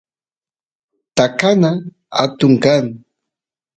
takana atun kan